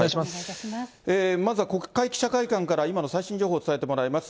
まずは国会記者会館から、今の最新情報、伝えてもらいます。